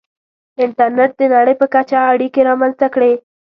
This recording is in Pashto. • انټرنېټ د نړۍ په کچه اړیکې رامنځته کړې.